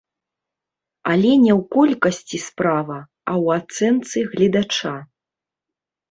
Але не ў колькасці справа, а ў ацэнцы гледача.